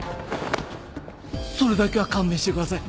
それだけは勘弁してください